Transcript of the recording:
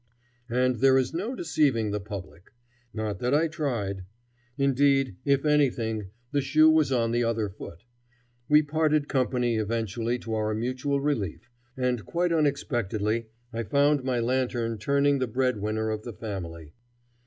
And there is no deceiving the public. Not that I tried. Indeed, if anything, the shoe was on the other foot. We parted company eventually to our mutual relief, and quite unexpectedly I found my lantern turning the breadwinner of the family.